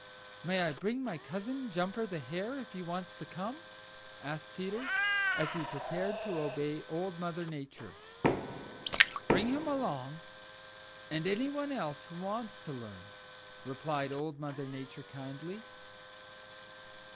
"May I bring my cousin, Jumper the Hare, if he wants to come?" asked Peter, as he prepared to obey Old Mother Nature. "Bring him along and any one else who wants to learn," replied Old Mother Nature kindly.